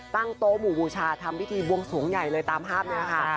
ตั้งโต๊ะหมู่บูชาทำพิธีบวงสวงใหญ่เลยตามภาพนี้ค่ะ